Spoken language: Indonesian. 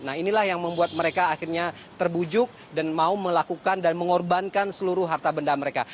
nah inilah yang membuat mereka akhirnya terbujuk dan mau melakukan dan mengorbankan seluruh harta benda mereka